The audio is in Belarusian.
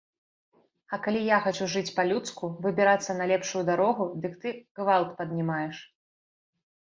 А калі я хачу жыць па-людску, выбірацца на лепшую дарогу, дык ты гвалт паднімаеш.